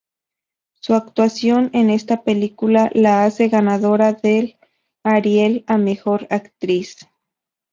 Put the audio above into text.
Su actuación en esta película la hace ganadora del Ariel a mejor actriz.